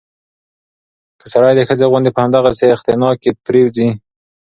که سړى د ښځې غوندې په همدغسې اختناق کې پرېوځي